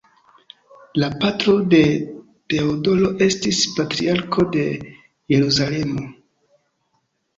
La patro de Teodoro estis Patriarko de Jerusalemo.